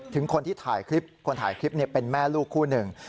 ถึงคนที่ถ่ายคลิปคนถ่ายคลิปเป็นแม่ลูกคู่หนึ่ง